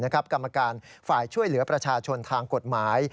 กรรมการฝ่ายช่วยเหลือประชาชนทางกฎหมาย